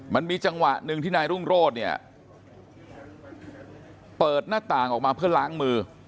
มันมีจังหวะหนึ่งที่นายรุ่งโรธเนี่ยเปิดหน้าต่างออกมาเพื่อล้างมือ